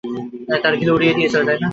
তার ঘিলু উড়িয়ে দিয়েছিল, তাই না?